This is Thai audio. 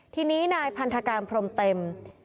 ทีนี้นายพันธการพรมเต็ม